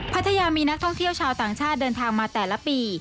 พัทยามีนักท่องเที่ยวชาวต่างชาติเดินทางมาแต่ละปี